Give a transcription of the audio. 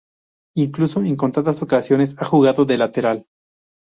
Incluso en contadas ocasiones ha jugado de lateral.